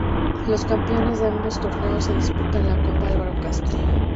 Los campeones de ambos torneos se disputan la Copa Álvaro Castro.